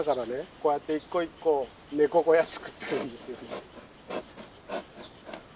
こうやって一個一個ネコ小屋作ってるんですよ。